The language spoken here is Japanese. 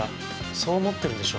そう思っているんでしょ。